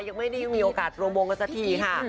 ยังไม่ได้มีโอกาสรวมวงกันสักทีค่ะ